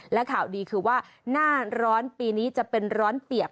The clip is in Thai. และข่าวดีคือว่าหน้าร้อนปีนี้จะเป็นร้อนเปียก